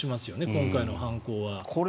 今回の犯行は。